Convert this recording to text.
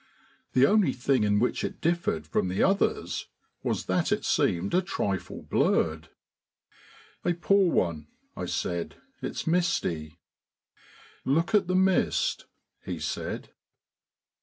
The only thing in which it differed from the others was that it seemed a trifle blurred. "A poor one," I said; "it's misty." "Look at the mist," he said.